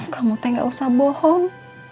kamu teh gak usah bohong